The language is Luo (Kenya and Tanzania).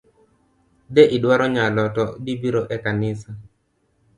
De idwaro yalo to dibiro ekanisa.